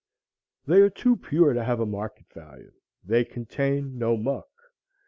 They are too pure to have a market value; they contain no muck.